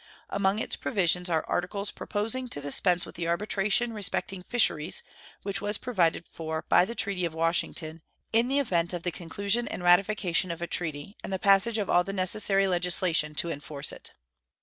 Among its provisions are articles proposing to dispense with the arbitration respecting the fisheries, which was provided for by the treaty of Washington, in the event of the conclusion and ratification of a treaty and the passage of all the necessary legislation to enforce it.